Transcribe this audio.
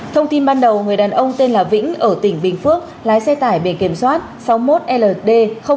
thông tin ban đầu người đàn ông tên là vĩnh ở tỉnh bình phước lái xe tải bề kiểm soát sáu mươi một ld bảy nghìn hai trăm bảy mươi năm